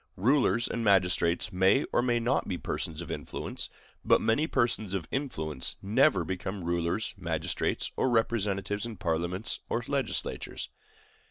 Rulers and magistrates may or may not be persons of influence; but many persons of influence never become rulers, magistrates, or representatives in parliaments or legislatures.